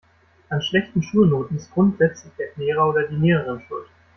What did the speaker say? An schlechten Schulnoten ist grundsätzlich der Lehrer oder die Lehrerin schuld.